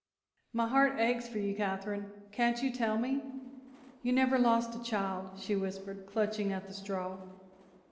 "My heart aches for you, Katherine can't you tell me?" "You never lost a child," she whispered, clutching at the straw.